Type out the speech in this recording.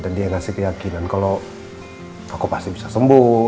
dia ngasih keyakinan kalau aku pasti bisa sembuh